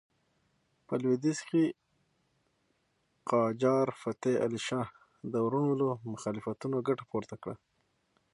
په لوېدیځ کې قاجار فتح علي شاه د وروڼو له مخالفتونو ګټه پورته کړه.